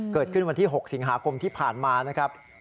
เกิดขึ้นวันที่๖สิงหาคมที่ผ่านมานะครับ